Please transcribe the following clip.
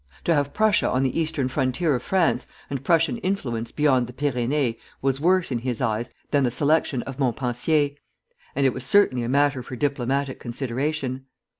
To have Prussia on the eastern frontier of France, and Prussian influence beyond the Pyrenees, was worse in his eyes than the selection of Montpensier; and it was certainly a matter for diplomatic consideration.